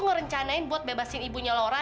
ngerencanain buat bebasin ibunya lora